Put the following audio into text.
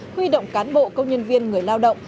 huy động cán bộ công nhân viên người lao động